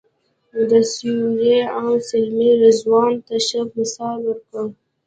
د سوریې ام سلمې رضوان ته ښه مثال ورکړ.